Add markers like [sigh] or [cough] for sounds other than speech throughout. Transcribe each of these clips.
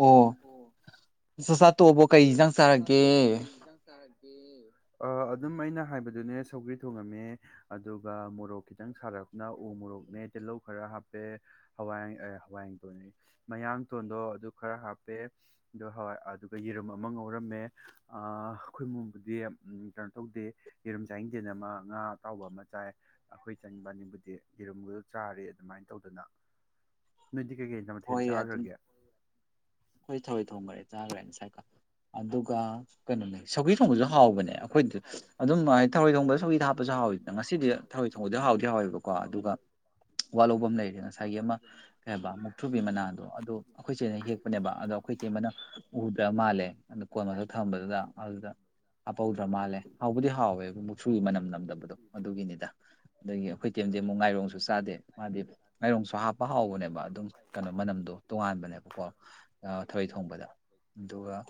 ꯑꯣ ꯁꯁꯥ ꯇꯣꯕꯣ ꯀꯩ ꯁꯔꯒꯤ ꯑ ꯑꯗꯨꯝ ꯑꯩꯅ ꯍꯥꯏꯕꯗꯨꯅꯦ ꯁꯧꯒ꯭ꯔꯤ ꯊꯣꯡꯉꯝꯃꯦ ꯑꯗꯨꯒ ꯃꯣꯔꯣꯛ ꯈꯤꯇꯪ ꯁꯥꯔꯛꯅ ꯎ ꯃꯣꯔꯣꯛꯅꯦ ꯇꯤꯜꯍꯧ ꯈꯔ ꯍꯥꯞꯄꯦ ꯍꯋꯥꯏ ꯑꯦ ꯍꯋꯥꯡꯂ ꯇꯣꯏꯅꯤ ꯃꯌꯥꯡꯊꯣꯟꯗꯣ ꯑꯗꯨ ꯈꯔ ꯍꯥꯞꯄꯦ ꯑ ꯍꯋꯥꯏ ꯑꯗꯨꯒ ꯌꯦꯔꯨꯝ__ ꯑꯃ ꯉꯧꯔꯝꯃꯦ ꯑꯩꯈꯣꯏ ꯃꯕꯨꯗꯤ ꯀꯩꯅꯣ ꯇꯧꯗꯦ ꯌꯦꯔꯨꯝ ꯆꯥ ꯍꯤꯡꯖꯦꯜ ꯑꯃ ꯉꯥ ꯑꯇꯥꯎꯕ ꯑꯃ ꯆꯥꯏ ꯑꯩꯈꯣꯏ ꯆꯪꯅꯤꯡꯕ ꯑꯅꯤꯕꯨꯗꯤ ꯌꯦꯔꯨꯝꯗꯨꯗ ꯆꯥꯔꯦ ꯑꯗꯨꯃꯥꯏꯅ ꯇꯧꯗꯅ ꯅꯣꯏꯗꯤ ꯀꯩꯀꯩ ꯃꯊꯦꯜ ꯆꯥꯈ꯭ꯔꯒꯦ ꯑꯩꯈꯣꯏ ꯊꯋꯥꯣꯏ ꯊꯣꯡꯈꯔꯦ ꯆꯥꯈꯔꯦ ꯉꯁꯥꯏꯀ ꯑꯗꯨꯒ__ ꯀꯩꯅꯣ ꯂꯩ ꯁꯧꯒꯤ ꯊꯣꯡꯕꯁꯨ ꯍꯥꯎꯕꯅꯦ ꯑꯩꯈꯣꯏꯗꯁꯨ ꯑꯗꯨꯝ ꯍꯥꯏꯗꯤ ꯊꯥꯎꯔꯣꯏ ꯊꯣꯡꯕꯗ ꯁꯧꯒꯤꯗ ꯍꯥꯞꯄꯁꯨ ꯍꯥꯎꯋꯤꯗꯅ ꯉꯁꯤꯗꯤ__ ꯊꯕꯣꯏ ꯊꯕꯗꯤ ꯍꯥꯎꯗꯤ ꯍꯥꯎꯋꯦꯕꯀꯣ ꯑꯗꯨꯒ__ ꯋꯥꯍꯧꯕꯝ ꯂꯩꯔꯦ ꯉꯁꯥꯏꯒꯤ ꯑꯃ ꯀꯩ ꯍꯥꯏꯕ ꯃꯨꯛꯊꯨꯕꯤ ꯃꯅꯥꯗꯣ ꯑꯗꯣ ꯑꯩꯈꯣꯏꯁꯦꯅ ꯍꯦꯛꯄꯅꯦꯕ ꯑꯗꯣ ꯑꯩꯈꯣꯏ__ ꯀ ꯑꯃꯅ ꯎꯗ꯭ꯔ ꯃꯥꯜꯂꯦ ꯑ ꯀꯣꯟ ꯃꯁꯛ ꯊꯝꯕꯗꯨꯗ ꯑꯗꯨꯗ__ ꯍꯥꯄꯧꯗ꯭ꯔꯥ ꯃꯥꯜꯂꯦ ꯍꯥꯎꯕꯨꯗꯤ ꯍꯥꯎꯋꯦ ꯃꯨꯛꯁꯨꯨꯒꯤ ꯃꯅꯝ ꯅꯝꯗꯕꯗꯣ ꯑꯗꯨꯒꯤꯅꯤꯗ꯫ ꯑꯗꯒꯤ ꯑꯩꯈꯣꯏ ꯇꯤꯝꯗꯤ ꯑꯃꯨꯛ ꯉꯥꯏꯔꯣꯡ ꯆ__ ꯞ ꯆꯥꯗꯦ ꯃꯥꯗꯤ ꯃꯥꯏꯔꯣꯡꯁꯨ ꯍꯥꯞꯄ ꯍꯥꯎꯕꯅꯦꯕ ꯑꯗꯨꯝ ꯀꯩꯅꯣ ꯃꯅꯝꯗꯣ ꯇꯣꯉꯥꯟꯕꯅꯦꯕꯀꯣ꯫ ꯊꯔꯣꯏ ꯊꯣꯡꯕꯗ ꯑꯗꯨꯒ__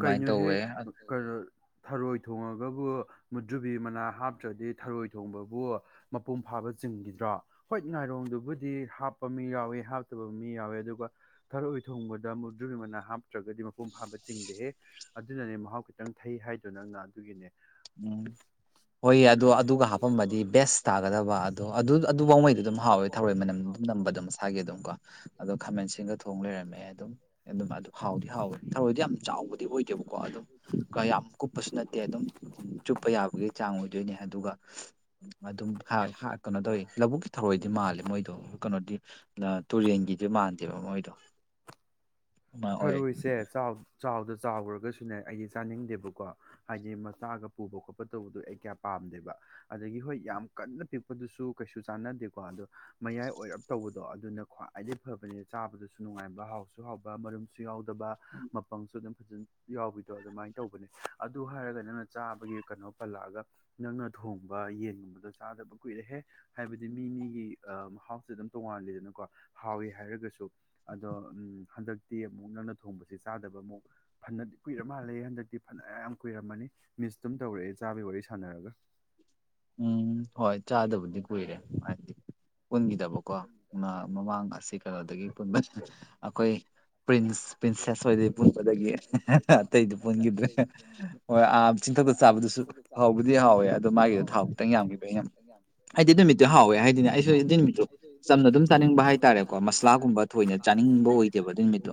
ꯀꯩꯅꯣꯍꯦ꯫ ꯊꯔꯣꯏ ꯊꯣꯡꯉꯒꯕꯨ ꯃꯨꯗꯨꯕꯤ ꯃꯅꯥ ꯍꯥꯞꯇ꯭ꯔꯗꯤ ꯊꯔꯣꯏ ꯊꯣꯡꯕꯕꯨ__ ꯃꯄꯨꯡ ꯐꯥꯕ ꯆꯤꯡꯈꯤꯗ꯭ꯔꯥ꯫ ꯍꯣꯏ ꯉꯥꯏꯔꯣꯡꯗꯨꯕꯨꯗꯤ ꯍꯥꯞꯄ ꯃꯤ ꯌꯥꯎꯋꯤ ꯍꯥꯞꯇꯕ ꯃꯤ ꯌꯥꯎꯏꯤ ꯑꯗꯨꯒ__ ꯊꯔꯑꯣꯏ ꯊꯣꯡꯕꯗ ꯃꯨꯗ꯭ꯔꯒꯤ ꯃꯅꯥ ꯍꯥꯞꯇ꯭ꯔꯒꯗꯤ ꯃꯄꯨꯡ ꯐꯥꯕ ꯆꯤꯡꯗꯦꯍꯦ꯫ ꯑꯗꯨꯅꯅꯦ ꯃꯍꯥꯎ ꯈꯤꯇꯪ ꯊꯩ ꯍꯥꯏꯗꯨꯣ ꯅꯪꯅ ꯑꯗꯨꯒꯤꯅꯦ꯫ ꯎꯝ ꯍꯣꯏꯌꯦ ꯑꯗꯣ ꯑꯗꯨꯒ ꯍꯥꯄꯝꯕꯗꯤ ꯕꯦꯁ ꯇꯥꯒꯗꯕ ꯑꯗꯣ ꯑꯗꯨ ꯑꯗꯨ ꯐꯥꯎꯉꯩꯗ ꯑꯗꯨꯝ ꯍꯥꯎꯋꯦ ꯊꯧꯔꯣꯏ ꯃꯅꯝꯗꯨ꯫ ꯅꯝꯕꯗꯣ ꯃꯁꯥꯒꯤ ꯑꯗꯨꯝ ꯀꯣ ꯑꯗꯣ ꯈꯥꯃꯦꯟꯁꯤꯡꯒ ꯊꯣꯡ ꯂꯩꯔꯝꯃꯦ ꯑꯗꯨꯝ ꯑꯗꯨꯝ ꯑꯗꯨ ꯍꯥꯎꯗꯤ ꯍꯥꯎꯋꯦ꯫ ꯊꯔꯣꯏꯗꯤ ꯌꯥꯝ ꯆꯥꯎꯕꯗꯤ ꯑꯣꯏꯗꯦꯕꯀꯣ ꯑꯗꯨꯝ ꯌꯥꯝ ꯀꯨꯞꯄꯁꯨ ꯅꯠꯇꯦ ꯑꯗꯨꯝ__ ꯆꯨꯞꯄ ꯌꯥꯕꯒꯤ ꯆꯥꯡ ꯑꯣꯏꯗꯣꯏꯅꯦ ꯑꯗꯨꯒ ꯑꯗꯨꯝ__ ꯀꯩꯅꯣ ꯇꯧꯋꯤ ꯂꯧꯕꯨꯛꯀꯤ ꯊꯧꯔꯣꯏꯗꯤ ꯃꯥꯜꯂꯤ ꯃꯣꯏꯗꯣ ꯀꯩꯅꯣꯗꯤ__ ꯇꯨꯔꯦꯟꯒꯤꯗꯤ ꯃꯥꯟꯗꯦꯕ ꯃꯣꯏꯗꯣ꯫ ꯊꯔꯣꯏꯁꯦ ꯆꯥꯎꯗ ꯆꯥꯎꯈ꯭ꯔꯒꯁꯨꯅꯦ ꯑꯩ ꯆꯥꯅꯤꯡꯗꯦꯕꯀꯣ꯫ ꯍꯥꯏꯗꯤ ꯃꯆꯥꯒ ꯄꯨꯕ ꯈꯣꯠꯄ ꯇꯧꯕꯗꯣ ꯑꯩ ꯀꯌꯥ ꯄꯥꯝꯗꯦꯕ꯫ ꯑꯗꯒꯤ ꯍꯣꯏ ꯌꯥꯝ ꯀꯟꯅ ꯄꯤꯛꯄꯗꯨꯁꯨ ꯀꯩꯁꯨ ꯆꯥꯟꯅꯗꯦꯀꯣ ꯑꯗꯣ__ ꯃꯌꯥꯏ ꯑꯣꯏꯔꯞ ꯇꯧꯕꯗꯣ ꯑꯗꯨꯅ ꯈ꯭ꯋꯥꯏꯗꯗꯒꯤ ꯐꯕꯅꯦ ꯆꯥꯕꯗꯁꯨ ꯅꯨꯡꯉꯥꯏꯕ ꯍꯥꯎꯁꯨ ꯍꯥꯎꯕ꯫ ꯃꯔꯝꯁꯨ ꯌꯥꯎꯗꯕ ꯃꯄꯪꯁꯨ ꯑꯗꯨꯝ ꯐꯖꯅ__ ꯌꯥꯎꯕꯤꯗꯣ ꯑꯗꯨꯃꯥꯏꯅ ꯇꯧꯕꯅꯦ ꯑꯗꯨ ꯍꯥꯏꯔꯒ ꯅꯪꯅ ꯆꯥꯕꯒꯤ ꯀꯩꯅꯣ ꯄꯜꯂꯛꯑꯒ__ ꯅꯪꯅ ꯊꯣꯡꯕ ꯌꯦꯟꯒꯨꯝꯕꯗꯣ ꯆꯥꯗꯕ ꯀꯨꯏꯔꯦꯍꯦ꯫ ꯍꯥꯏꯕꯗꯤ ꯃꯤ ꯃꯤꯒꯤ ꯃꯍꯥꯎꯁꯦ ꯑꯗꯨꯝ ꯇꯣꯡꯉꯥꯂꯗꯅꯀꯣ ꯍꯥꯎꯋꯦ ꯍꯥꯏꯔꯒꯁꯨ꯫ ꯑꯗꯣ ꯍꯟꯗꯛꯇꯤ ꯑꯃꯨꯛ ꯅꯪꯅ ꯊꯣꯡꯕꯁꯦ ꯆꯥꯗꯕ ꯑꯃꯨꯛ__ ꯐꯅꯗꯤ ꯀꯨꯏꯔ ꯃꯥꯜꯂꯦ ꯍꯟꯗꯛꯇꯤ ꯐꯅ ꯌꯥꯝ ꯀꯨꯏꯔꯝꯃꯅꯤ ꯃꯤꯁꯇꯝ ꯇꯧꯔꯛꯑꯦ ꯆꯥꯕꯤꯒꯤ ꯋꯥꯔꯤ ꯁꯥꯟꯅꯔꯒ꯫ ꯎꯝ ꯍꯣꯏ ꯆꯥꯗꯕꯨꯗꯤ ꯀꯨꯏꯔꯦ ꯍꯥꯏꯗꯤ ꯄꯨꯟꯒꯤꯗꯕ__ ꯀꯣ ꯃꯃꯥꯡ ꯑꯁꯤ ꯀꯩꯅꯣꯗꯒꯤ ꯄꯨꯟꯕ ꯑꯩꯈꯣꯏ__ ꯄ꯭ꯔꯤꯟꯁ ꯄ꯭ꯔꯤꯟꯁꯦꯁ ꯑꯣꯏꯗꯣꯏ ꯄꯨꯟꯕꯗꯒꯤ ꯑꯇꯩꯗꯤ ꯄꯨꯟꯈꯤꯗ꯭ꯔꯦ꯫ ꯍꯣꯏ ꯑꯥ ꯆꯤꯡꯊꯛꯇ ꯆꯥꯕꯗꯨꯁꯨ ꯍꯥꯎꯧꯕꯗꯤ ꯍꯥꯎꯋꯦ ꯑꯗꯣ ꯃꯥꯒꯤ__ ꯊꯥꯎ ꯈꯤꯇꯪ ꯌꯥꯝꯈꯤꯕ ꯑꯩꯅ ꯍꯥꯏꯗꯤ ꯅꯨꯃꯤꯠꯇꯨ ꯍꯥꯎꯋꯦ ꯍꯥꯏꯗꯤꯅꯦ ꯑꯩꯁꯨ ꯅꯨꯃꯤꯠꯇꯨ ꯆꯝꯅ ꯑꯗꯨꯝ ꯆꯥꯅꯤꯡꯕ ꯍꯥꯏꯇꯥꯔꯦ꯫ ꯀꯣ ꯃꯁꯂꯥꯒꯨꯝꯕ ꯊꯣꯏꯅ ꯆꯥꯅꯤꯡꯕ ꯑꯣꯏꯗꯦꯕ ꯑꯗꯨ ꯅꯨꯃꯤꯠꯇꯣ꯫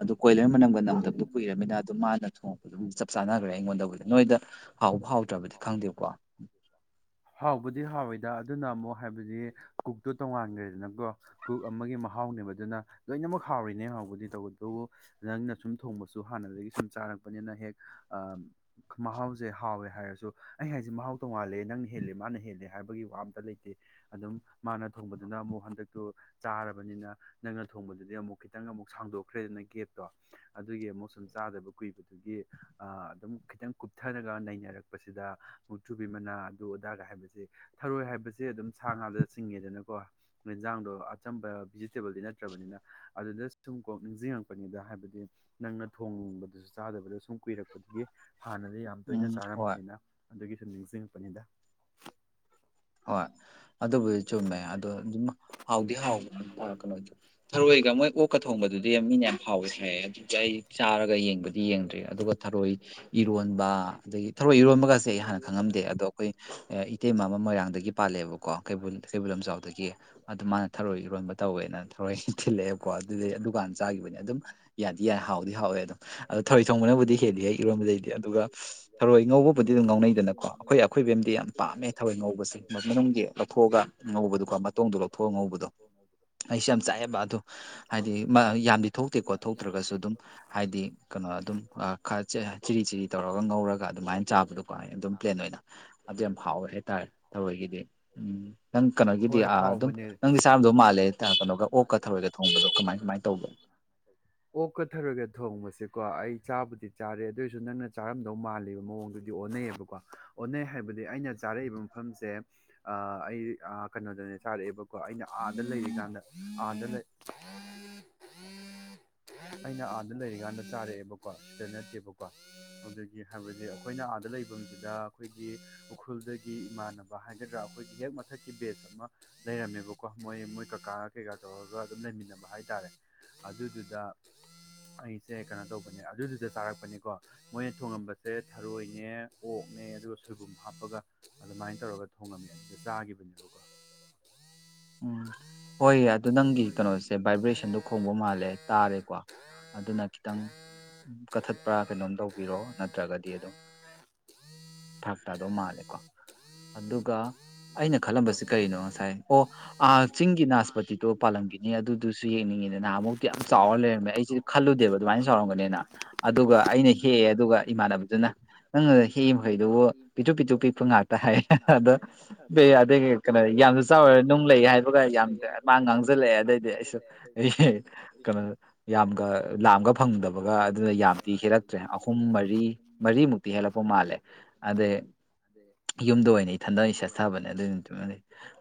ꯑꯗꯨ ꯀꯣꯏꯂꯔ ꯃꯝꯒ ꯅꯝꯇꯇꯣ ꯀꯨꯏꯔꯃꯤꯅ ꯑꯗꯨꯝ ꯃꯥꯅ ꯊꯣꯡꯉꯛꯄꯗ ꯑꯗꯨꯝ ꯆꯞ ꯆꯥꯅꯈ꯭ꯔꯦ ꯑꯩꯉꯣꯟꯗ ꯅꯣꯏꯗ__ ꯍꯥꯎꯕ ꯍꯥꯎꯗ꯭ꯔꯕꯗꯤ ꯈꯪꯗꯦꯕꯀꯣ꯫ ꯍꯥꯎꯕꯨꯗꯤ ꯍꯥꯎꯋꯤꯗ ꯑꯗꯨꯅ ꯑꯃꯨꯛ ꯍꯥꯏꯕꯗꯤ ꯀꯨꯛꯇꯣ ꯇꯣꯡꯉꯥꯟꯈ꯭ꯔꯦꯗꯅꯀꯣ꯫ ꯀꯨꯛ ꯑꯃꯒꯤ ꯃꯍꯥꯎꯅꯦꯕ ꯑꯗꯨꯅ ꯂꯣꯏꯅꯃꯛ ꯍꯥꯎꯔꯤꯅꯤ ꯏꯅꯦꯝ ꯍꯥꯎꯕꯗꯤ ꯇꯧꯕ ꯑꯗꯨꯕꯨ ꯅꯪꯅ ꯁꯨꯝ ꯊꯣꯡꯕꯁꯨ ꯍꯥꯟꯅꯗꯒꯤ ꯁꯨꯝ ꯆꯥꯔꯛꯄꯅꯤꯅ ꯍꯦꯛ ꯑ__ ꯃꯍꯥꯎꯁꯦ ꯍꯥꯎꯋꯦ ꯍꯥꯏꯔꯁꯨ__ ꯑꯩ ꯍꯥꯏꯁꯦ ꯃꯍꯥꯎ ꯇꯣꯡꯉꯥꯜꯂꯦ ꯅꯪꯅ ꯍꯦꯜꯂꯦ ꯃꯥꯅ ꯍꯦꯜꯂꯦ ꯍꯥꯏꯕꯒꯤ ꯋꯥ ꯑꯃꯠꯇ ꯂꯩꯇꯦ ꯑꯗꯨꯝ ꯃꯥꯅ ꯊꯣꯡꯕꯗꯨꯅ ꯑꯃꯨꯛ ꯍꯟꯗꯛꯇꯨ ꯆꯥꯔꯕꯅꯤꯅ ꯅꯪꯅ ꯊꯣꯡꯕꯗꯨꯗꯤ ꯑꯃꯨꯛ ꯈꯤꯇꯪ ꯑꯃꯨꯛ ꯁꯥꯡꯗꯣꯛꯈ꯭ꯔꯦꯗꯅ ꯒꯦꯞꯇꯣ ꯑꯗꯨꯒꯤ ꯑꯃꯨꯛ ꯁꯨꯝ ꯆꯥꯗꯕ ꯀꯨꯏꯕꯗꯨꯒꯤ ꯑꯗꯨꯝ ꯈꯤꯇꯪ ꯀꯨꯞꯊꯔꯒ ꯅꯩꯅꯔꯛꯄꯁꯤꯗ ꯑꯃꯨꯛꯇꯨꯕꯤ ꯃꯅꯥ ꯑꯗꯨ ꯑꯗꯥꯒ ꯍꯥꯏꯕꯁꯦ ꯊꯔꯣꯏ ꯍꯥꯏꯕꯁꯦ ꯑꯗꯨꯝ ꯁꯥ ꯉꯥꯗ ꯆꯤꯡꯉꯦꯗꯅꯀꯣ ꯌꯦꯟꯖꯥꯡꯗꯣ ꯑꯆꯝꯕ ꯕꯤꯖꯤꯇꯦꯕꯜꯗꯤ ꯅꯠꯇ꯭ꯔꯕꯅꯤꯅ ꯑꯗꯨꯗ ꯁꯨꯝ ꯀꯣꯛ ꯅꯤꯡꯁꯤꯡꯉꯛꯄꯅꯤꯗ ꯍꯥꯏꯕꯗꯤ ꯅꯪꯅ ꯊꯣꯡꯕꯗꯁꯨ ꯆꯥꯗꯕꯗ ꯁꯨꯝ ꯀꯨꯏꯔꯛꯄꯗꯨꯒꯤ ꯍꯥꯟꯅꯗꯤ ꯌꯥꯝ ꯌꯥꯝ ꯇꯣꯏꯅ ꯆꯥꯔꯝꯕꯅꯤꯅ ꯑꯗꯨꯒꯤꯁꯨ ꯅꯤꯡꯁꯤꯡꯉꯛꯄꯅꯤꯗ ꯍꯣꯏ ꯑꯗꯨꯕꯨꯗꯤ ꯆꯨꯝꯃꯦ ꯑꯗꯣ ꯑꯗꯨꯝ ꯍꯥꯎꯗꯤ ꯍꯥꯎꯕꯅꯧ ꯊꯥꯔꯣꯢꯒ ꯃꯣꯏ ꯑꯣꯛꯀ ꯊꯣꯡꯕꯗꯨꯗꯤ ꯃꯤꯅ ꯌꯥꯝ ꯍꯥꯎꯋꯦ ꯍꯥꯏꯌꯦ ꯑꯗꯨꯗꯤ ꯑꯩ ꯆꯥꯔꯒ ꯌꯦꯡꯕꯗꯤ ꯌꯦꯡꯗ꯭ꯔꯤ ꯑꯗꯨꯒ ꯊꯔꯣꯏ ꯏꯔꯣꯟꯕ ꯑꯗꯒꯤ ꯊꯧꯔꯣꯏ ꯏꯔꯣꯟꯕꯒꯁꯦ ꯑꯩ ꯍꯥꯟꯅ ꯈꯪꯉꯝꯗꯦ ꯑꯗꯣ ꯑꯩꯈꯣꯏ ꯏꯇꯩꯃ ꯑꯃ ꯃꯣꯏꯔꯥꯡ ꯗꯒꯤ ꯄꯥꯜꯂꯦꯕꯀꯣ ꯀꯩꯕꯨꯜ ꯂꯝꯖꯥꯎꯗꯒꯤ ꯑꯗꯨ ꯃꯥꯅ ꯊꯔꯣꯏ ꯏꯔꯣꯟꯕ ꯇꯧꯋꯦꯅ ꯊꯔꯣꯏ ꯀꯣ ꯑꯗꯨꯗꯩ ꯑꯗꯨꯀꯥꯟꯗ ꯆꯥꯒꯤꯈꯤꯕꯅꯦ ꯑꯗꯨꯝ ꯌꯥꯗꯤ ꯌꯥꯏ ꯍꯥꯎꯗꯤ ꯍꯥꯎꯋꯦ ꯑꯗꯨꯝ ꯑꯗꯣ ꯊꯔꫭꯏ ꯊꯣꯡꯕꯅꯕꯨꯗꯤ ꯍꯦꯜꯂꯤ ꯑꯩ ꯏꯔꯣꯟꯕꯗꯩꯗꯤ ꯑꯗꯨꯒ ꯊꯔꯣꯏ ꯉꯧꯕꯕꯨꯗꯤ ꯑꯗꯨꯝ ꯉꯥꯎꯅꯩꯗꯅꯀꯣ ꯑꯩꯈꯣꯏ ꯑꯈꯣꯏꯕ ꯑꯃꯗꯤ ꯌꯥꯝꯅ ꯄꯥꯝꯃꯦ ꯊꯔꯣꯏ ꯉꯧꯕꯁꯦ ꯃꯅꯨꯡꯒꯤ ꯂꯧꯊꯣꯛꯑꯒ ꯉꯧꯕꯗꯣꯀꯣ ꯃꯇꯣꯡꯗꯣ ꯂꯧꯊꯣꯛꯑꯒ ꯉꯧꯕꯗꯣ ꯑꯩꯁꯨ ꯌꯥꯝ ꯆꯥꯏꯑꯦꯕ ꯑꯗꯨ ꯍꯥꯏꯗꯤ ꯌꯥꯝꯗꯤ ꯊꯣꯛꯇꯦꯀꯣ ꯊꯣꯛꯇ꯭ꯔꯒꯁꯨ ꯑꯗꯨꯝ ꯍꯥꯏꯗꯤ ꯀꯩꯅꯣ ꯑꯗꯨꯝ ꯑꯥ ꯈꯔ ꯆꯤꯔꯤ ꯆꯤꯔꯤ ꯇꯧꯔꯒ ꯉꯧꯔꯒ ꯑꯗꯨꯃꯥꯏꯅ ꯆꯥꯕꯗꯣꯀꯣ ꯑꯩ ꯑꯗꯨꯝ ꯄ꯭ꯂꯦꯟ ꯑꯣꯏꯅ ꯑꯗꯨ ꯌꯥꯝ ꯍꯥꯎꯋꯦ ꯍꯥꯏꯇꯥꯔꯦ ꯊꯔꯣꯏꯒꯤꯗꯤ ꯎꯝ ꯅꯪ ꯀꯩꯅꯣꯒꯤꯗꯤ ꯑꯗꯨꯝ ꯅꯪꯗꯤ ꯆꯥꯔꯝꯗꯧ ꯃꯥꯜꯂꯦ ꯀꯩꯅꯣꯒ ꯑꯣꯛꯀ ꯊꯔꫭꯏꯒꯗꫭ ꯊꫭꯡꯕꯗꯣ ꯀꯃꯥꯏ ꯀꯃꯥꯏꯅ ꯇꯧꯕ ꯑꯣꯛꯀ ꯊꯔꫭꯏꯒ ꯊꯣꯡꯕꯁꯦꯀꯣ ꯑꯩ ꯆꯥꯕꯨꯗꯤ ꯆꯥꯔꯦ ꯑꯗꯨꯑꯣꯏꯁꯨ ꯅꯪꯅ ꯆꯥꯔꯝꯗꯧ ꯃꯥꯜꯂꯤꯕ ꯃꯑꯣꯡꯗꯨꯗꯤ ꯑꯣꯟꯅꯩꯌꯦꯕꯀꯣ ꯑꯣꯟꯅꯩ ꯍꯥꯏꯕꯗꯤ ꯑꯩꯅ ꯆꯥꯔꯛꯏꯕ ꯃꯐꯝꯁꯦ ꯑꯩ ꯀꯩꯅꯣꯗꯅꯦ ꯆꯥꯔꯛꯑꯦꯕꯀꯣ ꯑꯩꯅ ꯑꯥꯗ ꯂꯩꯔꯤꯀꯥꯟꯗ ꯑꯥꯗ [unintelligible] ꯑꯩꯅ ꯑꯥꯗ ꯂꯩꯔꯤꯀꯥꯟꯗ ꯆꯥꯔꯛꯑꯦꯕꯀꯣ ꯁꯤ ꯅꯠꯇꯦꯕꯀꯣ ꯑꯗꯨꯒꯤ ꯍꯥꯏꯕꯗꯤ ꯑꯩꯈꯣꯏꯅ ꯑꯥꯗ ꯂꯩꯐꯝ ꯁꯤꯗ ꯑꯩꯈꯣꯏꯒꯤ ꯎꯈ꯭ꯔꯨꯜꯗꯒꯤ ꯏꯃꯥꯟꯅꯕ ꯍꯥꯏꯒꯗ꯭ꯔꯥ ꯑꯩꯈꯣꯏꯒꯤ ꯍꯦꯛ ꯃꯊꯛꯀꯤ ꯕꯦꯖ ꯑꯃ ꯂꯩꯔꯝꯃꯦꯕꯀꯣ ꯃꯣꯏ ꯃꯣꯏ ꯀꯀꯥꯅ ꯀꯩꯀꯥ ꯇꯧꯔꯒ ꯑꯗꯨꯝ ꯂꯩꯃꯤꯟꯅꯕ ꯍꯥꯏꯇꯥꯔꯦ ꯑꯗꯨꯗꯨꯅ ꯑꯩꯁꯦ ꯀꯩꯅꯣ ꯇꯧꯕꯅꯦ ꯑꯗꯨꯗꯨꯗ ꯆꯥꯔꯛꯄꯅꯦꯀꯣ ꯃꯣꯏꯅ ꯊꯣꯡꯉꯝꯕꯁꯦ ꯊꯔꯣꯏꯅꯦ ꯑꯣꯛꯅꯦ ꯑꯗꯨꯒ ꯁꯣꯏꯕꯨꯝ ꯍꯥꯞꯄꯒ ꯑꯗꯨꯃꯥꯏꯅ ꯇꯧꯔꯒ ꯊꯣꯡꯉꯝꯃꯦ ꯁꯤꯗ ꯆꯥꯈꯤꯕꯅꯤꯕꯀꯣ ꯎꯝ ꯍꯣꯏ ꯑꯗꯨ ꯅꯪꯒꯤ ꯀꯩꯅꯣꯁꯦ ꯚꯥꯏꯕ꯭ꯔꯦꯁꯟꯗꯣ ꯈꯣꯡꯕ ꯃꯥꯜꯂꯦ ꯇꯥꯔꯦꯀꯣ ꯑꯗꯨꯅ ꯈꯤꯇꯪ ꯀꯛꯊꯠꯄ꯭ꯔꯥ ꯀꯩꯅꯣꯝ ꯇꯧꯕꯤꯔꯣ ꯅꯠꯇ꯭ꯔꯒꯗꯤ ꯑꯗꯨꯝ ꯐꯔꯥꯛ ꯇꯥꯗꯧ ꯃꯥꯜꯂꯦꯀꯣ ꯑꯗꯨꯒ ꯑꯩꯅ ꯈꯜꯂꯝꯕꯁꯤ ꯀꯔꯤꯅꯣ ꯉꯁꯥꯏ ꯑꯣ ꯆꯤꯡꯒꯤ ꯅꯥꯁꯄꯇꯤꯗꯣ ꯄꯥꯂꯝꯒꯤꯅꯤ ꯑꯗꯨꯗꯨꯁꯨ ꯌꯦꯡꯅꯤꯡꯉꯤꯗ ꯅꯍꯥꯟꯃꯨꯛꯇꯤ ꯌꯥꯝ ꯆꯥꯎꯔ ꯂꯩꯔꯝꯃꯦ ꯑꯩꯁꯦ ꯈꯜꯂꯨꯗꯦꯕ ꯑꯗꯨꯃꯥꯏꯅ ꯆꯥꯎꯔꯝꯒꯅꯤꯅ ꯑꯗꯨꯒ ꯑꯩꯅ ꯍꯦꯛꯑꯦ ꯑꯗꯨꯒ ꯏꯃꯥꯟꯅꯕꯗꯨꯅ ꯅꯪꯅ ꯑꯗ [inaudible] ꯃꯈꯩꯗꯨꯕꯨ ꯄꯤꯇꯨ ꯄꯤꯇꯨ ꯄꯤꯛꯄ ꯉꯥꯛꯇ ꯍꯥꯏꯌꯦ ꯑꯗꯣ ꯑꯗꯩ ꯀꯩꯅꯣ ꯌꯥꯝꯅ ꯆꯥꯎꯋꯔ ꯅꯨꯡ ꯂꯩ ꯍꯥꯏꯕꯒ ꯌꯥꯝ ꯃꯥ ꯉꯥꯡꯁꯤꯜꯂꯛꯑꯦ ꯑꯗꯩꯗꯤ ꯑꯩꯁꯨ ꯑꯩ ꯀꯩꯅꯣ ꯌꯥꯝꯒ ꯂꯥꯝꯒ ꯐꯪꯗꯕꯒ ꯑꯗꯨꯅ ꯌꯥꯝꯗꯤ ꯍꯦꯜꯂꯛꯇ꯭ꯔꯦ ꯑꯍꯨꯝ ꯃꯔꯤ ꯃꯔꯤꯃꯨꯛꯇꯤ ꯍꯦꯜꯂꯛꯄ ꯃꯥꯜꯂꯦ ꯑꯗꯩ ꯌꯨꯝꯗ ꯑꯣꯏꯅ ꯏꯊꯟꯗꯩ ꯆꯦꯠꯊꯕꯅꯦ ꯑꯗꯨ ꯅꯨꯃꯤꯠꯇꯨꯃꯗꯤ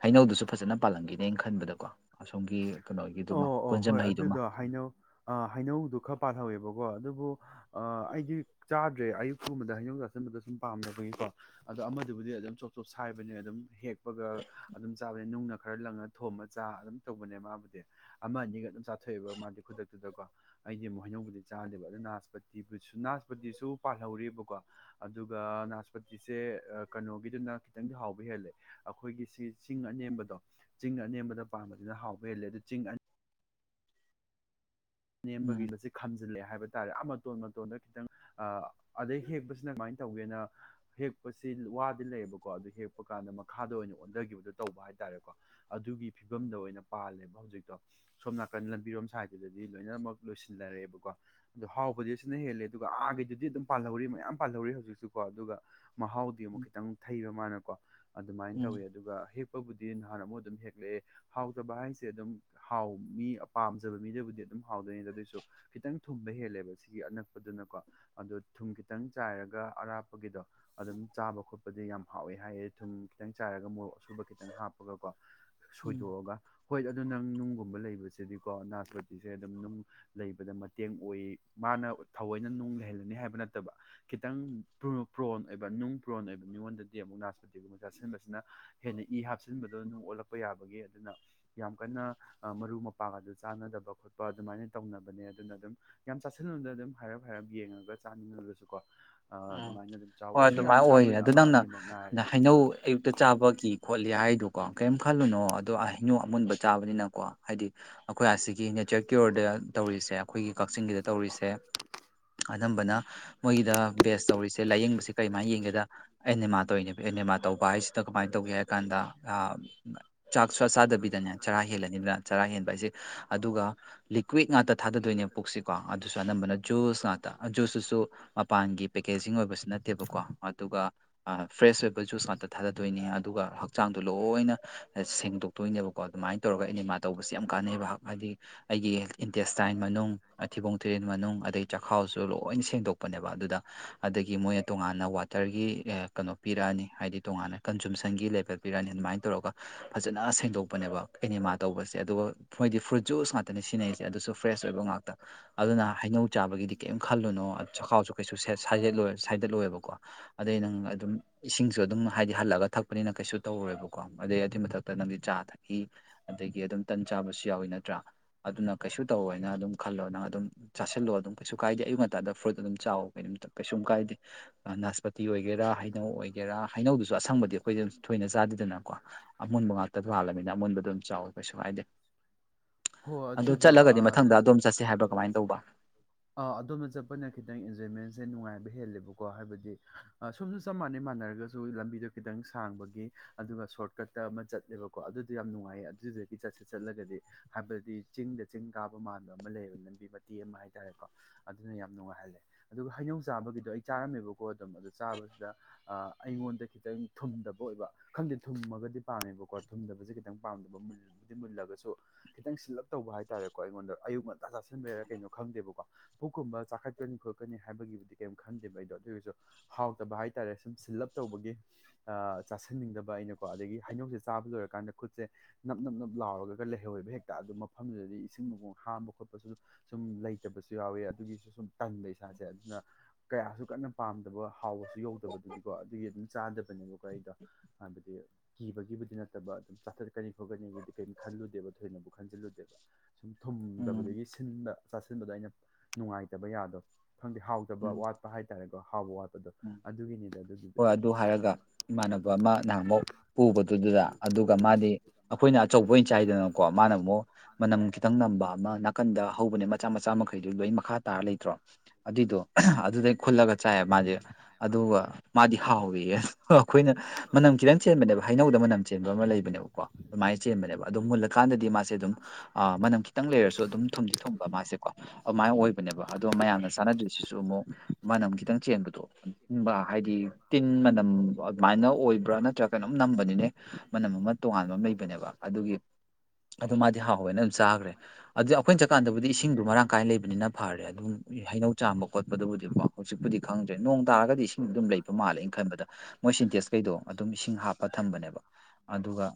ꯍꯩꯅꯧꯗꯨꯁꯨ ꯐꯖꯅ ꯄꯥꯜꯂꯝꯈꯤꯅꯦꯅ ꯈꯟꯕꯗꯀꯣ ꯑꯁꯣꯝꯒꯤ ꯀꯩꯅꯣꯒꯤꯗꯨꯃ ꯀꯣꯟꯖꯝ ꯍꯩ ꯗꯨꯃ ꯑꯥ ꯍꯩꯅꯧꯗꯨ ꯈꯔ ꯄꯥꯜꯍꯧꯋꯦꯕꯀꯣ ꯑꯗꯨꯕꯨ ꯑ ꯑꯩꯗꯤ ꯆꯥꯗ꯭ꯔꯦ ꯑꯌꯨꯛꯀꯨꯝꯕꯗ ꯍꯩꯅꯧ ꯆꯥꯁꯤꯟꯕꯗꯣ ꯁꯨꯝ ꯄꯥꯝꯗꯕꯒꯤꯀꯣ ꯑꯗꯣ ꯑꯃꯗꯨꯕꯨꯗꯤ ꯑꯗꯨꯝ ꯆꯣꯞ ꯆꯣꯞ ꯁꯥꯏꯕꯅꯦ ꯑꯗꯨꯝ ꯍꯦꯛ ꯑꯗꯨꯒ ꯑꯗꯨꯝ ꯆꯥꯕꯅꯦ ꯅꯨꯡꯅ ꯈꯔ ꯂꯪꯉ ꯊꯣꯝꯃ ꯆꯥ ꯑꯗꯨꯝ ꯇꯧꯕꯅꯦ ꯃꯥꯕꯨꯗꯤ ꯑꯃ ꯑꯅꯤꯒ ꯑꯗꯨꯝ ꯆꯥ ꯊꯧꯕ ꯃꯥꯗꯤ ꯈꯨꯗꯛ ꯑꯗꯨꯨꯗꯀꯣ ꯑꯩꯗꯤ ꯑꯃꯨꯛ ꯍꯩꯅꯧꯕꯗꯤ ꯆꯥꯗꯦꯕ ꯑꯗꯨ ꯅꯥꯁꯄꯇꯤ ꯅꯥꯁꯄꯇꯤꯁꯨ ꯄꯥꯜꯍꯧꯔꯤꯕꯕꯀꯣ ꯑꯗꯨꯒ ꯅꯥꯁꯄꯇꯤꯁꯦ ꯀꯩꯅꯣꯒꯤꯗꯨꯅ ꯈꯤꯇꯪꯗꯤ ꯍꯥꯎꯕ ꯍꯦꯜꯂꯦ ꯑꯩꯈꯣꯏꯒꯤ ꯁꯤ ꯆꯤꯡ ꯑꯅꯦꯝꯕꯗꯣ ꯆꯤꯡ ꯑꯅꯦꯝꯕꯗ ꯄꯥꯟꯕꯗꯨꯅ ꯍꯥꯎꯕ ꯍꯦꯜꯂꯦ ꯑꯗꯨ ꯆꯤꯡ ꯅꯦꯝꯕꯒꯤ ꯍꯧꯖꯤꯛ ꯈꯝꯖꯤꯜꯂꯦ ꯍꯥꯏꯕ ꯇꯥꯔꯦ ꯑꯃ ꯃꯇꯣꯟ ꯃꯇꯣꯟꯗ ꯈꯤꯇꯪ ꯑ‌ ꯑꯗꯩ ꯍꯦꯛꯄꯁꯤꯅ ꯀꯃꯥꯏꯅ ꯇꯧꯒꯦꯅ ꯍꯦꯛ ꯍꯦꯛꯄꯁꯤ ꯋꯥꯗꯤ ꯂꯩꯌꯦꯕꯀꯣ ꯑꯗꯨ ꯍꯦꯛꯄ ꯀꯥꯟꯗ ꯃꯈꯥꯗ ꯑꯣꯏꯅ ꯑꯣꯟꯗꯒꯤꯕꯗꯣ ꯇꯧꯕ ꯍꯥꯏꯇꯥꯔꯦꯀꯣ ꯑꯗꯨꯒꯤ ꯐꯤꯕꯝꯗ ꯑꯣꯏꯅ ꯄꯥꯜꯂꯦꯕ ꯍꯧꯖꯤꯛꯇꯣ ꯁꯣꯝ ꯅꯥꯀꯟ ꯂꯝꯕꯤꯔꯣꯝ ꯁꯥꯏꯒꯤꯗ ꯗꯤ ꯂꯣꯏꯅꯃꯛ ꯂꯣꯏꯁꯤꯜꯂꯔꯛꯑꯦꯕꯀꯣ ꯑꯗꯨ ꯍꯥꯎꯕꯗꯤ ꯑꯁꯤꯅ ꯍꯦꯜꯂꯦ ꯑꯗꯨꯒ ꯑꯥꯒꯤꯗꯨꯗꯤ ꯑꯗꯨꯝ ꯄꯥꯜꯍꯧꯔꯤ ꯃꯌꯥꯝ ꯄꯥꯜꯍꯧꯔꯤ ꯍꯧꯖꯤꯛꯁꯨꯀꯣ ꯑꯗꯨꯒ ꯃꯍꯥꯎꯗꯤ ꯑꯃꯨꯛ ꯈꯤꯇꯪ ꯊꯩꯕ ꯃꯥꯅꯀꯣ ꯑꯗꯨꯃꯥꯏꯅ ꯇꯧꯋꯤ ꯑꯗꯨꯒ ꯍꯤꯞ ꯄꯕꯨꯗꯤ ꯅꯍꯥꯟ ꯑꯃꯨꯛ ꯑꯗꯨꯝ ꯍꯦꯛꯂꯛꯑꯦ ꯍꯥꯎꯇꯕ ꯍꯥꯏꯁꯦ ꯑꯗꯨꯝ ꯍꯥꯎ ꯃꯤ ꯄꯥꯝꯖꯕ ꯃꯤꯗꯕꯨꯗꯤ ꯑꯗꯨ ꯑꯗꯨꯝ ꯍꯥꯎꯗꯣꯏꯅꯦ ꯑꯗꯨꯑꯣꯏꯁꯨ ꯈꯤꯇꯪ ꯊꯨꯝꯕ ꯍꯦꯜꯂꯦꯕ ꯁꯤꯒꯤ ꯑꯅꯛꯄꯗꯨꯅꯀꯣ ꯑꯗꯨ ꯊꯨꯝ ꯈꯤꯇꯪ ꯆꯥꯏꯔꯒ ꯑꯔꯥꯞꯄꯒꯤꯗꯣ ꯑꯗꯨꯝ ꯆꯥꯕ ꯈꯣꯠꯄꯗꯤ ꯌꯥꯝ ꯍꯥꯎꯑꯦ ꯍꯥꯏꯌꯦ ꯊꯨꯝ ꯈꯤꯇꯪ ꯆꯥꯏꯔꯒ ꯃꯣꯔꯣꯛ ꯑꯁꯨꯕ ꯈꯤꯇꯪ ꯍꯥꯞꯄꯒꯀꯣ ꯁꯣꯏꯗꯣꯛꯑꯒ ꯍꯣꯏ ꯑꯗꯣ ꯅꯪ ꯅꯨꯡꯒꯨꯝꯕ ꯂꯩꯕꯁꯤꯗꯤꯀꯣ ꯅꯥꯁꯄ ꯁꯤꯁꯦ ꯑꯗꯨꯝ ꯅꯪ ꯂꯩꯕꯗ ꯃꯇꯦꯡ ꯑꯣꯏ ꯃꯥꯅ ꯊꯑꯣꯏꯅ ꯅꯨꯡ ꯂꯩꯍꯜꯂꯅꯤ ꯍꯥꯏꯕ ꯅꯠꯇꯕ ꯈꯤꯇꯪ ꯄ꯭ꯔꯣꯟ ꯑꯣꯏꯕ ꯅꯨꯡ ꯄ꯭ꯔꯣꯟ ꯑꯣꯏꯕ ꯃꯤꯉꯣꯟꯗꯗꯤ ꯑꯃꯨꯛ ꯅꯥꯁꯄꯇꯤꯒꯨꯝꯕ ꯆꯥꯁꯤꯟꯕꯁꯤꯅ ꯍꯦꯟꯅ ꯏ ꯍꯥꯞꯆꯤꯟꯕꯗꯣ ꯅꯨꯡ ꯑꯣꯜꯂꯛꯄ ꯌꯥꯕꯒꯤ ꯑꯗꯨꯅ ꯌꯥꯝ ꯀꯟꯅ ꯃꯔꯨ ꯃꯄꯥꯡ ꯑꯗꯨ ꯆꯥꯟꯅꯗꯕ ꯈꯣꯠꯄ ꯑꯗꯨꯃꯥꯏꯅ ꯇꯧꯅꯕꯅꯦ ꯑꯗꯨꯅ ꯑꯗꯨꯝ ꯌꯥꯝ ꯆꯥꯁꯤꯟꯂꯨꯅꯨꯗ ꯑꯗꯨꯝ ꯍꯥꯏꯔꯞ ꯍꯥꯏꯔꯞ ꯌꯦꯡꯉꯒ ꯆꯥꯅꯤꯡꯉꯨꯉꯈꯁꯨꯀꯣ ꯎꯝ ꯍꯣꯏ ꯑꯗꯨꯃꯥꯏꯅ ꯑꯣꯏꯔꯦ ꯑꯗꯣ ꯅꯪꯅ ꯍꯩꯅꯧ ꯑꯌꯨꯛꯇ ꯆꯥꯕꯒꯤ ꯈꯣꯠꯂꯤ ꯍꯥꯏꯗꯨꯀꯣ ꯀꯔꯤꯝ ꯈꯜꯂꯨꯅꯣ ꯑꯗꯣ ꯍꯩꯅꯨ ꯑꯃꯨꯟꯕ ꯆꯥꯕꯅꯤꯅꯀꯣ ꯍꯥꯏꯗꯤ ꯑꯩꯈꯣꯏ ꯑꯁꯤ [unintelligible] ꯑꯩꯈꯣꯏꯒꯤ ꯀꯛꯆꯤꯡꯒꯤꯗ ꯇꯧꯔꯤꯁꯦ ꯑꯅꯝꯕꯅ ꯃꯣꯏꯒꯤꯗ ꯕꯦꯁ ꯇꯧꯔꯤꯁꯦ ꯂꯥꯏꯌꯦꯡꯕꯁꯦ ꯀꯔꯤꯃꯥꯏꯅ ꯌꯦꯡꯒꯦꯗ ꯑꯦꯅꯦꯃꯥ ꯇꯧꯔꯤꯅꯦꯕ ꯑꯦꯅꯤꯃꯥ ꯇꯧꯕ ꯍꯥꯏꯁꯦ ꯗ ꯀꯃꯥꯏꯅ ꯇꯧꯅꯤ ꯍꯥꯏ ꯀꯥꯟꯗ ꯑ ꯆꯥꯛ ꯁ꯭ꯋꯥ ꯆꯥꯗꯕꯤꯗꯅꯦ ꯆꯔꯥ ꯍꯦꯜꯂꯅꯤꯗ ꯆꯔꯥ ꯍꯦꯟꯕ ꯍꯥꯏꯁꯦ ꯑꯗꯨꯒ ꯂꯤꯀ꯭ꯋꯤꯠ ꯉꯥꯛꯇ ꯊꯥꯗꯗꯣꯏꯅꯦꯕ ꯄꯨꯛꯁꯤꯀꯣ ꯑꯗꯨꯁꯨ ꯑꯅꯝꯕꯅ ꯖꯨꯁ ꯉꯥꯛꯇ ꯖꯨꯁꯇꯨꯁꯨ ꯃꯄꯥꯟꯒꯤ ꯗꯦꯁꯤꯡ ꯑꯣꯏꯕꯁꯨ ꯅꯠꯇꯦꯕꯀꯣ ꯑꯗꯨꯒꯍꯛ ꯆꯥꯡꯗꯣ ꯂꯣꯏꯅ ꯁꯦꯡꯗꯣꯛꯇꯣꯏꯅꯦꯕꯀꯣ ꯑꯗꯨꯃꯥꯏꯅ ꯇꯧꯔꯒ ꯑꯦꯅꯦꯃꯥ ꯇꯧꯕꯁꯦ ꯌꯥꯝ ꯀꯥꯟꯅꯩꯕ ꯍꯥꯏꯗꯤ ꯑꯩꯒꯤ ꯏꯟꯇꯦꯁꯇꯥꯏꯟ ꯃꯅꯨꯡ ꯊꯤꯕꯣꯡ ꯊꯤꯔꯤꯜ ꯃꯅꯨꯡ ꯑꯗꯩ ꯆꯈꯥꯎꯁꯨ ꯂꯣꯏꯅ ꯁꯦꯡꯗꯣꯛꯄꯅꯦꯕ ꯑꯗꯨꯗ ꯑꯗꯒꯤ ꯃꯣꯏꯅ ꯇꯣꯉꯥꯟꯅ ꯋꯥꯇꯔꯒꯤ ꯀꯩꯅꯣ ꯄꯤꯔꯛꯑꯅꯤ ꯍꯥꯏꯗꯤ ꯇꯣꯉꯥꯟꯅ ꯀꯟꯖꯨꯝꯁꯟꯒꯤ ꯂꯦꯕꯦꯜ ꯄꯤꯔꯅꯤ ꯑꯗꯨꯃꯥꯏꯅ ꯇꯧꯔꯒ ꯐꯖꯅ ꯁꯦꯡꯗꯣꯛꯄꯅꯦꯕ ꯑꯦꯅꯤꯃꯥ ꯇꯧꯕꯁꯦ ꯑꯗꯨꯒ ꯃꯣꯏꯗꯤ ꯐ꯭ꯔꯨꯠ ꯖꯨꯁ ꯉꯥꯛꯇ ꯁꯤꯖꯤꯟꯅꯩꯁꯦ ꯑꯗꯨꯁꯨ ꯐ꯭ꯔꯦꯁ ꯑꯣꯏꯕ ꯉꯥꯛꯇ ꯑꯗꯨꯅ ꯍꯩꯅꯧ ꯆꯥꯕꯒꯤꯗꯤ ꯀꯔꯤꯝ ꯈꯜꯂꯨꯅꯣ ꯆꯈꯥꯎꯁꯨ ꯀꯩꯁꯨ ꯁꯥꯏꯗꯠ ꯁꯥꯏꯗꯠꯂꯣꯏꯑꯦꯕꯀꯣ ꯑꯗꯩ ꯅꯪ ꯑꯗꯨꯝ ꯏꯁꯤꯡꯁꯨ ꯑꯗꯨꯝ ꯍꯥꯏꯗꯤ ꯍꯜꯂꯒ ꯊꯛꯄꯅꯤꯅ ꯀꯩꯁꯨ ꯇꯧꯔꯦꯕꯀꯣ ꯑꯗꯩ ꯑꯗꯨꯏ ꯃꯊꯛꯇ ꯅꯪꯗꯤ ꯆꯥ ꯊꯛ ꯍꯤ ꯑꯗꯒꯤ ꯑꯗꯨꯝ ꯇꯟ ꯆꯥꯕꯁꯨ ꯌꯥꯎꯏ ꯅꯠꯇ꯭ꯔꯥ ꯑꯗꯨꯅ ꯀꯩꯁꯨ ꯇꯧꯑꯣꯏꯅ ꯑꯗꯨꯝ ꯈꯜꯂꯣ ꯅꯪ ꯑꯗꯨꯝ ꯆꯥꯁꯤꯜꯂꯣ ꯑꯗꯨꯝ ꯀꯩꯁꯨ ꯀꯥꯏꯗꯦ ꯑꯌꯨꯛ ꯉꯟꯇꯗ ꯐ꯭ꯔꯨꯠ ꯑꯗꯨꯝ ꯆꯥꯎ ꯀꯩꯌꯤꯝꯇ ꯀꯩꯁꯨꯝ ꯀꯥꯏꯗꯦ ꯅꯥꯁꯄꯇꯤ ꯑꯣꯏꯒꯦꯔꯥ ꯍꯩꯅꯧ ꯑꯣꯏ ꯒꯦꯔꯥ ꯍꯥꯏꯅꯧꯗꯨꯁꯨ ꯑꯁꯪꯕꯗꯤ ꯑꯩꯈꯣꯏꯗꯤ ꯊꯣꯏꯅ ꯆꯥꯗꯦꯗꯅꯀꯣ ꯑꯃꯨꯕ ꯉꯥꯛꯇ ꯍꯥꯜꯂꯃꯤꯅ ꯑꯃꯨꯟꯗꯣ ꯑꯗꯨꯝ ꯆꯥꯎ ꯀꯩꯁꯨ ꯀꯥꯏꯗꯦ ꯍꯣ ꯑꯗꯨꯗꯣ ꯑ ꯆꯠꯂꯒꯗꯤ ꯃꯊꯪꯗ ꯑꯗꯨꯝ ꯆꯠꯁꯤ ꯍꯥꯏꯕ ꯑ ꯑꯗꯣꯝꯅ ꯆꯠꯄꯅ ꯈꯤꯇꯪ ꯑꯦꯟꯖꯣꯏꯃꯦꯟꯁꯦ ꯅꯨꯡꯉꯥꯏꯕ ꯍꯦꯜꯂꯦꯕꯀꯣ ꯍꯥꯏꯕꯗꯤ ꯁꯣꯝꯁꯨ ꯆꯞ ꯃꯥꯟꯅꯩ ꯃꯥꯟꯅꯔꯒ ꯁꯨ ꯂꯝꯕꯤꯗꯣ ꯈꯤꯇꯪ ꯁꯥꯡꯕꯒꯤ ꯑꯗꯨꯒ ꯁꯣꯔꯠꯀꯠꯇ ꯑꯃ ꯆꯠꯂꯦꯕꯀꯣ ꯑꯗꯨꯗꯣ ꯌꯥꯝ ꯅꯨꯡꯉꯥꯏꯌꯦ ꯑꯗꯨꯗ ꯏꯆꯠꯁꯦ ꯆꯠꯂꯒꯗꯤ ꯍꯥꯏꯕꯗꯤ ꯆꯤꯡꯗ ꯆꯤꯡ ꯀꯥꯕ ꯃꯥꯟꯕ ꯑꯃ ꯂꯩꯌꯦꯕ ꯂꯝꯕꯤ ꯃꯇꯦꯛ ꯑꯃ ꯍꯥꯏꯇꯥꯔꯦꯀꯣ ꯑꯗꯨꯅ ꯌꯥꯝ ꯅꯨꯡꯉꯥꯏꯍꯜꯂꯦ ꯑꯗꯨꯒ ꯍꯩꯅꯧ ꯆꯥꯕꯒꯤꯗꯣ ꯑꯩ ꯆꯥꯔꯝꯃꯦꯕꯀꯣ ꯑꯗꯨꯝ ꯑꯗꯨ ꯆꯥꯕꯁꯤꯗ ꯑꯩꯉꯣꯟꯗ ꯈꯤꯇꯪ ꯊꯨꯝꯗꯕ ꯑꯣꯏꯕ ꯈꯪꯗꯦ ꯊꯨꯝꯃꯒꯗꯤ ꯄꯥꯝꯃꯦꯕꯀꯣ ꯊꯨꯝꯗꯕꯁꯦ ꯈꯤꯇꯪ ꯄꯥꯝꯗꯕ ꯃꯨꯜꯂ ꯗꯤ ꯃꯨꯜꯂꯒꯁꯨ ꯈꯤꯇꯪ ꯁꯤꯜꯂꯞ ꯇꯧꯕ ꯍꯥꯏꯇꯥꯔꯦꯀꯣ ꯑꯩꯉꯣꯟꯗ ꯑꯌꯨꯛ ꯉꯟꯇꯥ ꯆꯥꯁꯤꯟꯕꯤꯔꯒ ꯀꯩꯅꯣ ꯈꯪꯗꯦꯕꯀꯣ ꯄꯨꯛꯀꯨꯝꯕ ꯆꯥꯈꯠꯀꯅꯤ ꯈꯣꯠꯀꯅꯤ ꯍꯥꯏꯕꯒꯤꯕꯨꯗꯤ ꯀꯔꯤꯝ ꯈꯟꯗꯦꯕ ꯑꯩꯗꯣ ꯑꯗꯨ ꯑꯣꯏꯒꯤꯁꯨ ꯍꯥꯎꯇꯕ ꯍꯥꯏꯇꯥꯔꯦ ꯁꯨꯝ ꯁꯤꯜꯂꯞ ꯇꯧꯕꯒꯤ ꯆꯥꯁꯟꯅꯤꯡꯗꯕ ꯑꯩꯅꯀꯣ ꯑꯗꯒꯤ ꯍꯩꯅꯧꯁꯦ ꯆꯥꯕ ꯂꯣꯏꯔꯀꯥꯟꯗ ꯈꯨꯠꯁꯦ ꯅꯞ ꯅꯞ ꯅꯞ ꯂꯥꯎꯔꯒ ꯂꯩꯍꯧꯋꯕ ꯍꯦꯛꯇ ꯑꯗꯨ ꯃꯐꯝꯗꯨꯗꯗꯤ ꯏꯁꯤꯡ ꯃꯣꯡ ꯍꯥꯝꯕ ꯈꯣꯠꯄꯁꯨ ꯁꯨꯝ ꯂꯩꯇꯕꯁꯨ ꯌꯥꯎꯋꯦ ꯑꯗꯨꯒꯤꯁꯨ ꯁꯨꯝ ꯇꯟꯕꯥ ꯏꯁꯥꯁꯦ ꯑꯗꯨꯅ ꯀꯌꯥꯁꯨ ꯀꯟꯅ ꯄꯥꯝꯗꯕ ꯍꯥꯎꯕꯁꯨ ꯌꯧꯗꯕꯗꯨꯗꯤꯀꯣ ꯑꯗꯨꯒꯤ ꯑꯗꯨꯝ ꯆꯥꯗꯕꯅꯦꯕꯀꯣ ꯑꯩꯗ ꯍꯥꯏꯕꯗꯤ ꯀꯤꯕꯒꯤꯕꯨꯗꯤ ꯅꯠꯇꯕ ꯑꯗꯨꯝ ꯆꯥꯊꯠꯀꯅꯤ ꯈꯣꯠꯀꯅꯤꯒꯤꯗꯤ ꯀꯔꯤꯝꯣ ꯈꯜꯂꯨꯗꯦꯕ ꯊꯣꯏꯅꯕꯨ ꯈꯟꯖꯤꯜꯂꯨꯗꯦꯕ ꯁꯨꯝ ꯊꯨꯝꯗꯕꯗꯒꯤ ꯁꯤꯟꯕ ꯆꯥꯁꯤꯟꯕꯗꯣ ꯑꯩꯅ ꯅꯨꯡꯉꯥꯏꯇꯕ ꯌꯥꯗꯣꯏ ꯈꯪꯗꯦ ꯍꯥꯎ ꯕ ꯋꯥꯠꯄ ꯍꯥꯏꯇꯥꯔꯦꯀꯣ ꯍꯥꯎꯕ ꯋꯥꯠꯄꯗꯣ ꯑꯗꯨꯒꯤꯅꯤꯗ ꯍꯣꯏ ꯑꯗꯨ ꯍꯥꯏꯔꯒ ꯏꯃꯥꯟꯅꯕ ꯑꯃ ꯅꯍꯥꯟ ꯑꯃꯨꯛ ꯄꯨꯕꯗꯨꯗꯨꯗ ꯑꯗꯨꯒ ꯃꯥꯗꯤ ꯑꯩꯈꯣꯏꯅ ꯑꯆꯧꯕ ꯑꯣꯏꯅ ꯆꯥꯏꯗꯅꯀꯣ ꯃꯥꯅꯃꯨꯛ ꯃꯅꯝ ꯈꯤꯇꯪ ꯅꯝꯕ ꯑꯃ ꯅꯥꯀꯟꯗ ꯍꯧꯕꯅꯦ ꯃꯆꯥ ꯃꯆꯥ ꯃꯈꯩꯗꯨ ꯂꯣꯏ ꯃꯈꯥ ꯇꯥꯔ ꯂꯩꯇ꯭ꯔꯣ ꯑꯗꯨꯏꯗꯣ ꯑꯗꯨꯗꯩ ꯈꯨꯜꯂꯒ ꯆꯥꯏꯌꯦ ꯃꯥꯁꯦ ꯑꯗꯨꯒ ꯃꯥꯗꯤ ꯍꯥꯎꯋꯌꯦ ꯑ ꯑꯩꯈꯣꯏꯅ ꯃꯅꯝ ꯈꯤꯇꯪ ꯆꯦꯟꯕꯅꯦꯕ ꯍꯩꯅꯧꯗ ꯃꯅꯝ ꯆꯦꯟꯕ ꯑꯃ ꯂꯩꯕꯅꯦꯕ ꯀꯣ ꯑꯗꯨꯃꯥꯏꯅ ꯆꯦꯟꯕꯅꯦꯕ ꯑꯣ ꯃꯨꯜꯂꯀꯥꯟꯗꯗꯤ ꯃꯥꯁꯦ ꯑꯗꯨꯝ ꯑ ꯃꯅꯝ ꯈꯤꯇꯪ ꯂꯩꯔꯁꯨ ꯑꯗꯨꯝ ꯊꯨꯝꯗꯤ ꯊꯨꯝꯕ ꯃꯥꯁꯦ ꯑꯗꯨꯃꯥꯏꯅ ꯑꯣꯏꯕꯅꯦꯕ ꯑꯗꯣ ꯃꯌꯥꯝꯅ ꯆꯥꯅꯗ꯭ꯔꯤꯁꯤ ꯝꯅꯥꯝ ꯈꯤꯇꯪ ꯆꯦꯟꯕꯗꯣ ꯍꯥꯏꯗꯤ ꯇꯤꯟ ꯃ ꯎ ꯑꯗꯨꯃꯥꯏꯅ ꯑꯣꯏꯕ꯭ꯔꯥ ꯅꯠꯇ꯭ꯔꯒ ꯀꯩꯅꯣꯝ ꯅꯝꯕꯅꯤꯅꯦ ꯃꯅꯝ ꯑꯃ ꯇꯣꯉꯥꯟꯕ ꯑꯃ ꯂꯩꯕꯅꯦꯕ ꯑꯗꯨꯒꯤ ꯑꯗꯨ ꯃꯥꯗꯤ ꯍꯥꯎꯋꯦꯅ ꯑꯗꯨꯝ ꯆꯥꯈ꯭ꯔꯦ ꯑꯗꯨꯗꯤ ꯑꯩꯈꯣꯏꯅ ꯆꯖꯀꯥꯟꯗꯕꯨꯗꯤ ꯏꯁꯤꯡꯗꯣ ꯃꯔꯥꯡ ꯀꯥꯏꯅ ꯂꯩꯕꯅꯤꯅ ꯐꯔꯦ ꯑꯗꯨꯝ ꯍꯩꯅꯧ ꯆꯥꯝꯕ ꯈꯣꯠꯄꯗꯨꯕꯨꯗꯤꯀꯣ ꯍꯧꯖꯤꯛꯄꯨꯗꯤ ꯈꯪꯗ꯭ꯔꯦ ꯅꯣꯡ ꯇꯥꯔꯒꯗꯤ ꯑꯗꯨꯝ ꯂꯩꯕ ꯃꯥꯜꯂꯦꯩꯅ ꯈꯟꯕꯗ ꯃꯣꯏ ꯁꯤꯟꯇꯦꯖ ꯀꯩꯗꯣ ꯑꯗꯨꯝ ꯏꯁꯤꯡ ꯍꯥꯞꯄ ꯊꯝꯕꯅꯦꯕ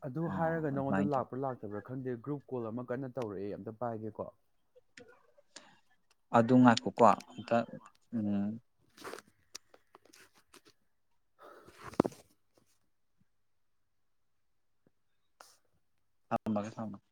ꯑꯗꯨ ꯍꯥꯏꯔꯒ ꯅꯉꯣꯟꯗ ꯂꯥꯛꯄ꯭ꯔꯥ ꯂꯥꯛꯇꯕ꯭ꯔꯥ ꯈꯪꯗꯦ ꯒ꯭ꯔꯨꯞ ꯀꯣꯜ ꯑꯃ ꯀꯟꯅ ꯇꯧꯔꯛꯑꯦ ꯑꯝꯇ ꯄꯥꯏꯒꯦꯀꯣ ꯑꯗꯨ ꯉꯥꯛꯀꯨꯀꯣ ꯑꯝꯇ ꯎꯝ [unintelligible]